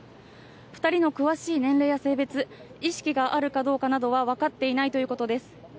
２人の詳しい年齢や性別、意識があるかどうかなどは分かっていないということです。